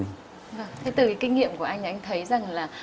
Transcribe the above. vâng thế từ cái kinh nghiệm của anh ấy anh thấy rằng là